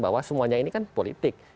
bahwa semuanya ini kan politik